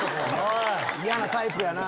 嫌なタイプやな。